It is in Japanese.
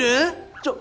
ちょっ